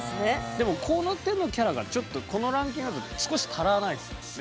でもこの手のキャラがちょっとこのランキングだと少し足らないですもんね。